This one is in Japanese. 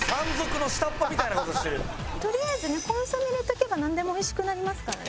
とりあえずねコンソメ入れておけばなんでも美味しくなりますからね。